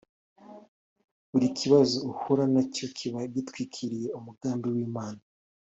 Buri kibazo uhura nacyo kiba gitwikiriye umugambi w’Imana